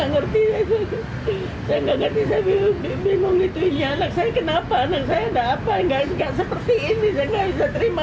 gak seperti ini saya gak bisa terima